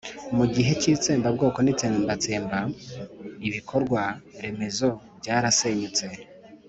mu gihe cy'itsembabwoko n'itsembatsemba ibikorwa remezo byarasenyutse;